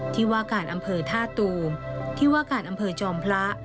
ที่ว่าการอำเภอท่าตูมที่ว่าการอำเภอจอมพระ